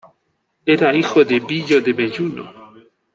Era hijo de Billo de Belluno.